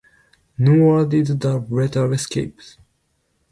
Nor did the latter escape.